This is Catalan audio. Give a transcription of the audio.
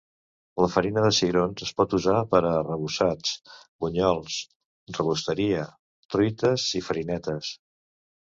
La farina de cigrons es pot usar per a arrebossats, bunyols, rebosteria, truites i farinetes.